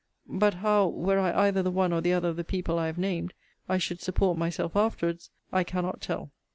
But how, were I either the one or the other of the people I have named, I should support myself afterwards, I cannot tell.